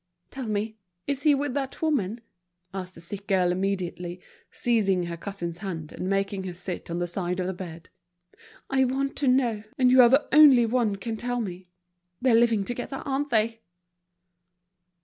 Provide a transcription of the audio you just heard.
"Tell me, is he with that woman?" asked the sick girl immediately, seizing her cousin's hand, and making her sit on the side of the bed. "I want to know, and you are the only one can tell me. They're living together, aren't they?"